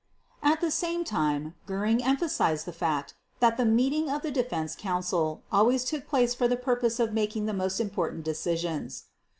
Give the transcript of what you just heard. At the same time Göring emphasized the fact that "the meeting of the Defense Council always took place for the purpose of making the most important decisions".